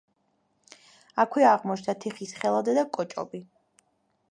აქვე აღმოჩნდა თიხის ხელადა და კოჭობი.